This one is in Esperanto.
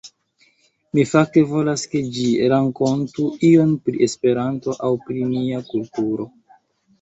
Mi fakte volas ke ĝi rankontu ion pri Esperanto aŭ pri nia kulturo.